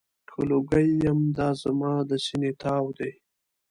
که لوګی یم، دا زما د سینې تاو دی.